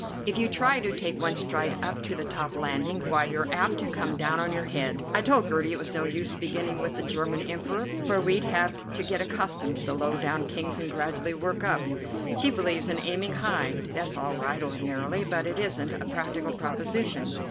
If you try to take one stride up to the top landing, why you're apt to come down on your head. I told Gertie it was no use beginning with the German Emperor, for we'd have to get accustomed to the low down Kings and gradually work up. She believes in aiming high. That's all right ordinarily, but it isn't a practical proposition.